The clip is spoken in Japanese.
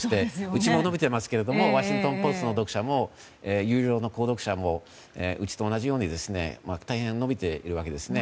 うちも伸びていますけどもワシントン・ポストの読者も有料の購読者もうちと同じように大変伸びているわけです。